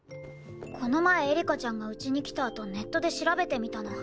この前エリカちゃんがうちに来たあとネットで調べてみたの。